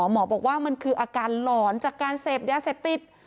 หมอบอกว่ามันคืออาการหลอนจากการเสพยาเสพติด